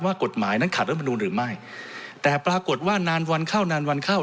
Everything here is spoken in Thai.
ว่ากฎหมายนั้นขัดรัฐมนุนหรือไม่แต่ปรากฏว่านานวันเข้านานวันเข้า